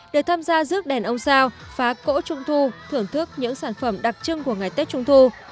được tham gia rước đèn ông sao phá cỗ trung thu thưởng thức những sản phẩm đặc trưng của ngày tết trung thu